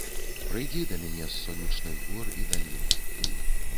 Прыйдзі да мяне з сонечных гор і далін.